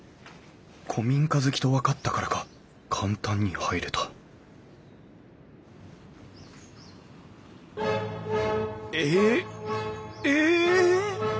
古民家好きと分かったからか簡単に入れたえええ！？